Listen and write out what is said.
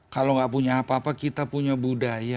kalau gak punya apa apa kita punya budaya